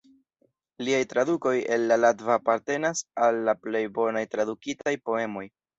Liaj tradukoj el la latva apartenas al la plej bonaj tradukitaj poemoj.